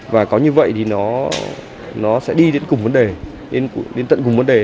và có như vậy thì nó sẽ đi đến cùng vấn đề đến tận cùng vấn đề